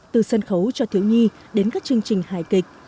từ sân khấu cho thiếu nhi đến các chương trình hài kịch